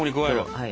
はい。